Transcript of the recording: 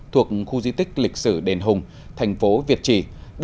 thuộc khu di tích lịch sử đền hùng thành phố việt trì